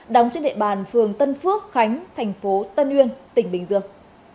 đóng trên địa bàn phường tân phước khánh tp tân nguyên tỉnh bình dương